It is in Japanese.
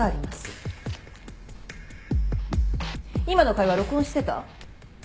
今の会話録音してた？